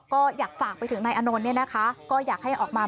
ก็อยากฝากไปถึงนายอานนท์เนี่ยนะคะก็อยากให้ออกมา